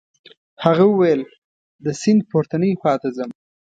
هغه وویل د سیند پورتنۍ خواته ځم.